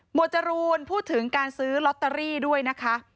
จรูนพูดถึงการซื้อลอตเตอรี่ด้วยนะคะ